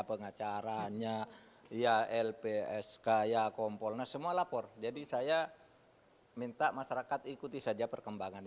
pengacaranya ya lps kaya kompornya semua lapor jadi saya minta masyarakat ikuti saja perkembangan